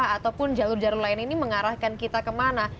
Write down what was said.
ataupun jalur jalur lain ini mengarahkan kita kemana